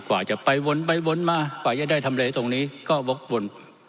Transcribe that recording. กว่าจะไปวนไปวนมากว่าจะได้ทำเลตรงนี้ก็วกวน